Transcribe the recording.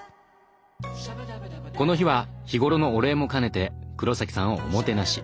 この日は日頃のお礼も兼ねて黒崎さんをおもてなし。